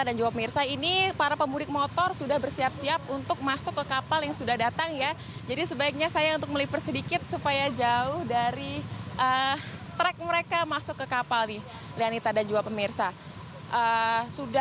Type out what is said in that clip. dari trek mereka masuk ke kapal ini lianita dan juga pemirsa